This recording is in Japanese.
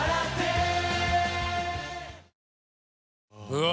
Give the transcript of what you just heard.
うわ！